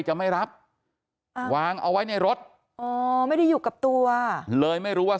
จะไม่รับอ่าวางเอาไว้ในรถอ๋อไม่ได้อยู่กับตัวเลยไม่รู้ว่า